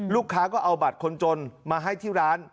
ลูกค้าก็เอาบัตรคนจนมาให้ที่ร้าน